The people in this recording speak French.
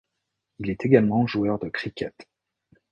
Il est également joueur de cricket.